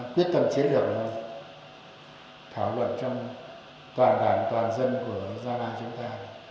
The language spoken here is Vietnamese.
quyết tâm chế được là thảo luận trong toàn bản toàn dân của gia lai chúng ta